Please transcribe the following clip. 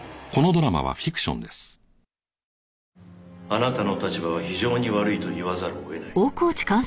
あなたの立場は非常に悪いと言わざるを得ない。